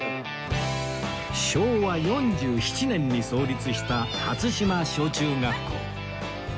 昭和４７年に創立した初島小中学校